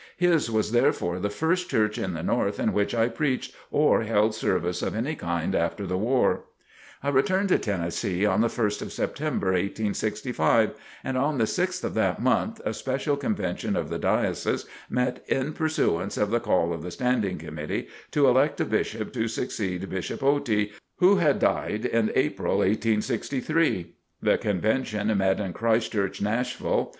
His was therefore the first church in the North in which I preached or held service of any kind after the war. I returned to Tennessee on the 1st of September, 1865, and on the 6th of that month, a special convention of the Diocese met in pursuance of the call of the Standing Committee, to elect a Bishop to succeed Bishop Otey, who had died in April, 1863. The convention met in Christ Church, Nashville.